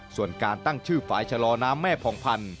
ส่วนการตั้งชื่อฝ่ายชะลอน้ำแม่ผ่องพันธุ